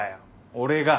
俺が。